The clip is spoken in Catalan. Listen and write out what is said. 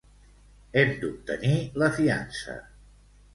Hem d'obtenir la fiança.